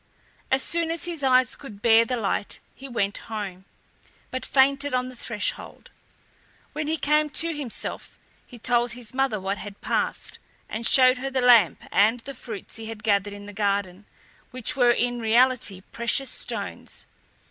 As soon as his eyes could bear the light he went home, but fainted on the threshold. When he came to himself he told his mother what had passed, and showed her the lamp and the fruits he had gathered in the garden, which were in reality precious stones.